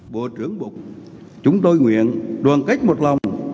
bộ trưởng bục chúng tôi nguyện đoàn cách một lòng